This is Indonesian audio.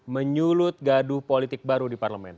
menyulut gaduh politik baru di parlemen